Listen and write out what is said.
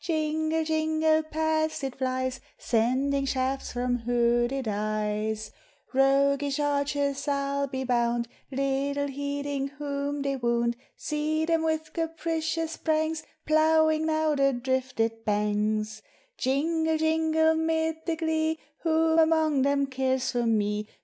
Jingle, jingle, past it Hies, Sending shafts from hooded eyes, — Roguish archers, I'll be bound, Little heeding whom they wound; See them, with capricious pranks, Ploughing now the drifted banks; Jingle, jingle, mid the glee Who among them cares for me?